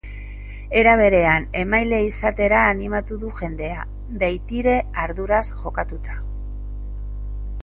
Era berean, emaile izatera animatu du jendea, betiere arduraz jokatuta.